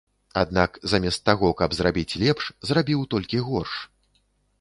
Аднак замест таго, каб зрабіць лепш, зрабіў толькі горш.